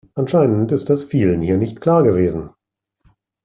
Anscheinend ist das vielen hier nicht klar gewesen.